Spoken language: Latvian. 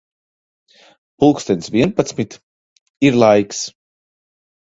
Pulkstens vienpadsmit. Ir laiks.